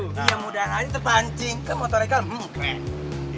iya mudah aja terpancing kan motor high call hmm keren